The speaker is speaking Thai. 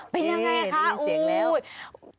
เป็นอย่างไรคะอู๋